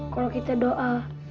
kalau kita doa